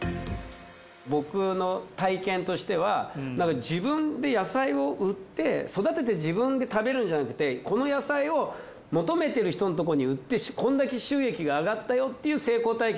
僕の体験としては自分で野菜を売って育てて自分で食べるんじゃなくてこの野菜を求めてる人のとこに売ってこんだけ収益が上がったよっていう成功体験